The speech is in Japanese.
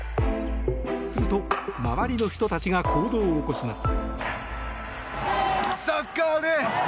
すると、周りの人たちが行動を起こします。